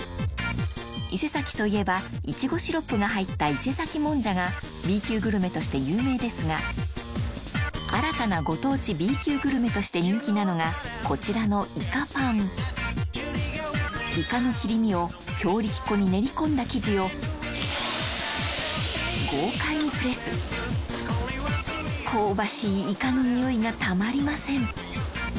伊勢崎といえばいちごシロップが入った伊勢崎もんじゃがＢ級グルメとして有名ですが新たなご当地Ｂ級グルメとして人気なのがこちらのイカの切り身を強力粉に練り込んだ生地を豪快にプレス香ばしいイカの匂いがたまりません